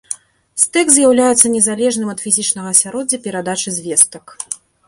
Стэк з'яўляецца незалежным ад фізічнага асяроддзя перадачы звестак.